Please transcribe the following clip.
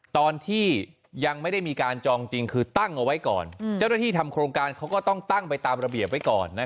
ตอนที่ยังไม่ได้มีการจองจริงคือตั้งเอาไว้ก่อนเจ้าหน้าที่ทำโครงการเขาก็ต้องตั้งไปตามระเบียบไว้ก่อน